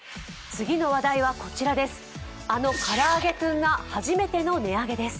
次の話題はこちらです。